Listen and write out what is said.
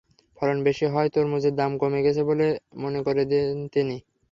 ফলন বেশি হওয়ায় তরমুজের দাম কমে গেছে বলে মনে করেন তিনি।